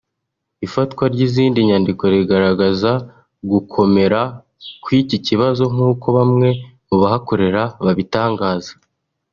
Ifatwa ry’izindi nyandiko rigaragaraza gukomera kw’iki kibazo nk’uko bamwe mu bahakorera babitangaza